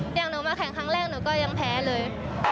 อย่างหนูมาแข่งครั้งแรกหนูก็ยังแพ้เลย